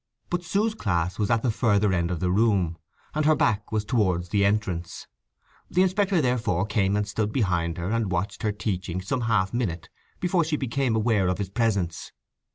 But Sue's class was at the further end of the room, and her back was towards the entrance; the inspector therefore came and stood behind her and watched her teaching some half minute before she became aware of his presence.